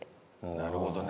なるほどね。